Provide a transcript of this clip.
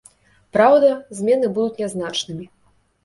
Праўда, змены будуць нязначнымі.